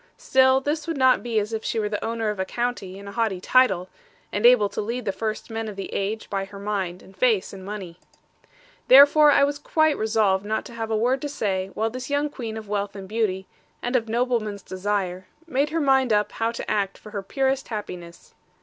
Still this would not be as if she were the owner of a county, and a haughty title; and able to lead the first men of the age, by her mind, and face, and money. Therefore was I quite resolved not to have a word to say, while this young queen of wealth and beauty, and of noblemen's desire, made her mind up how to act for her purest happiness.